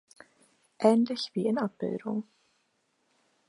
Ähnlich wie in Abb.